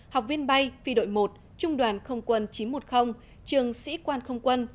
học viên bay phi đội một trung đoàn không quân chín trăm một mươi trường sĩ quan không quân